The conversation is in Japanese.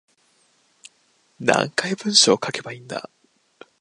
何回文章書けばいいんだ